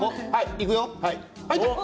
いくよ。